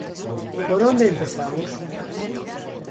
Por onde empezamos?